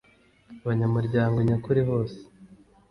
abanyamuryango nyakuri bose